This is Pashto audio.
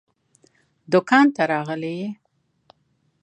دوکان ته راغلی يې؟